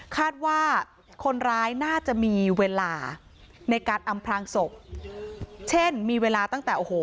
คาดว่าคนร้ายน่าจะมีเวลาในการอำพลางศพเช่นมีเวลาตั้งแต่โอ้โห